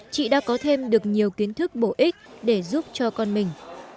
chị đã có thêm được nhiều kiến thức bổ ích để giúp cho con mình